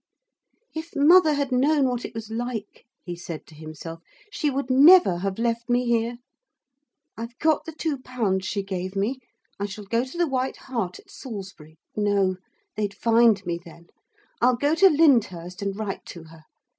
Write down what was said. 'If mother had known what it was like,' he said to himself, 'she would never have left me here. I've got the two pounds she gave me. I shall go to the White Hart at Salisbury ... no, they'd find me then. I'll go to Lyndhurst; and write to her.